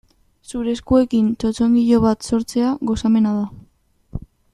Zure eskuekin txotxongilo bat sortzea gozamena da.